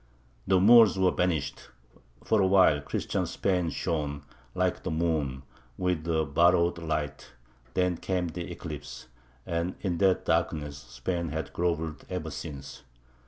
The Moors were banished; for a while Christian Spain shone, like the moon, with a borrowed light; then came the eclipse, and in that darkness Spain has grovelled ever since.